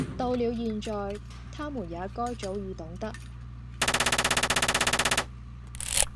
到了現在，他們也該早已懂得，……